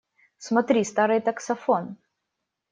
Смотри, старый таксофон!